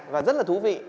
và rất là thú vị